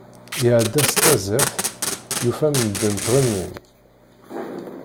Iεedda s tazzert, yufa medden ttɣennin.